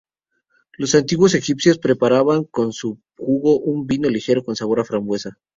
Los antiguos egipcios preparaban con su jugo un vino ligero con sabor a frambuesa.